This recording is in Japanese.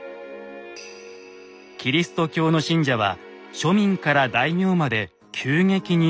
キリスト教の信者は庶民から大名まで急激に拡大。